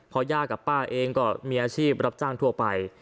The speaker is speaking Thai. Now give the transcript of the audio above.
พอย่ากับป้าเองก็มีอาชีพรับจ้างทั่วไป